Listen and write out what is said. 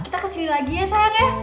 kita kesini lagi ya sarang ya